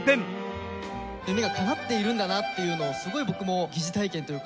夢がかなっているんだなっていうのをすごい僕も疑似体験というか。